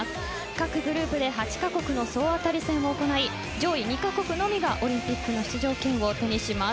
各グループで８カ国の総当たり戦を行い上位２カ国のみがオリンピックの出場権を手にします。